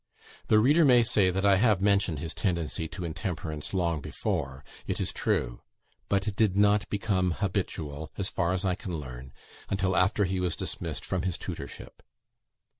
The reader may say that I have mentioned his tendency to intemperance long before. It is true; but it did not become habitual, as far as I can learn, until after he was dismissed from his tutorship.